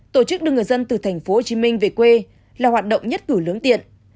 tổ chức đưa người dân từ tp hcm về quê là hoạt động nhất cử lớn tiện